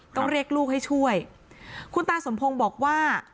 ต้องเรียกลูกให้ช่วยคุณตาสมพงศ์บอกว่า